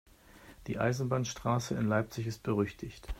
Die Eisenbahnstraße in Leipzig ist berüchtigt.